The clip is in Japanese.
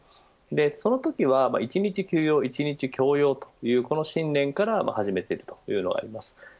そのときは１日休養、１日教養というこの信念から始めているというのがあります。